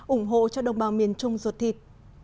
ủng hộ cho đồng bào miền trung ruột thịt